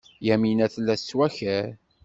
Yamina tella tettwakar.